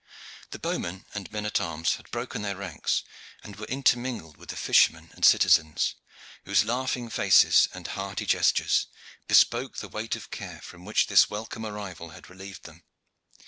The bowmen and men at arms had broken their ranks and were intermingled with the fishermen and citizens, whose laughing faces and hearty gestures bespoke the weight of care from which this welcome arrival had relieved them.